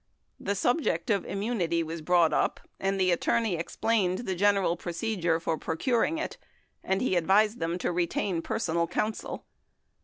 The subject of immunity was brought up and the attorney explained the general procedure for procuring it, and he advist d them to retain personal counsel.